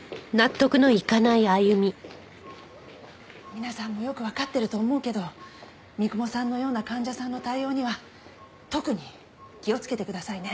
皆さんもよくわかってると思うけど三雲さんのような患者さんの対応には特に気をつけてくださいね。